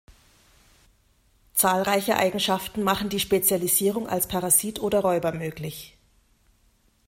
Zahlreiche Eigenschaften machen die Spezialisierung als Parasit oder Räuber möglich.